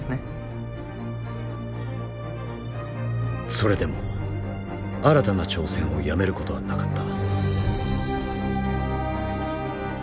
それでも新たな挑戦をやめることはなかった。